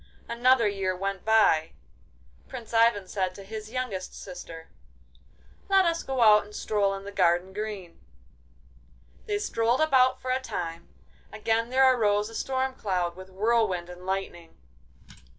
Another year went by. Prince Ivan said to his youngest sister: 'Let us go out and stroll in the garden green!' They strolled about for a time. Again there arose a storm cloud, with whirlwind and lightning.